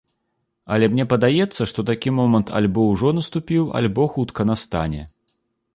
Але мне падаецца, што такі момант альбо ужо наступіў, альбо хутка настане.